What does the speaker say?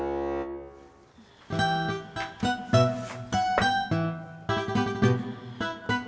abang abang i provided you a meal